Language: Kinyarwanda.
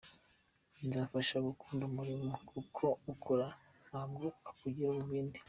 Nzabafasha gukunda umurimo kuko ukora ntabwo ahugira mu bindi.